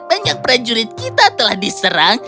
banyak prajurit kita telah diserang